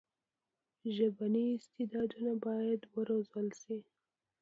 ژبني استعدادونه باید وروزل سي.